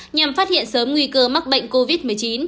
nhằm phát hiện sớm nguy cơ mắc bệnh covid một mươi chín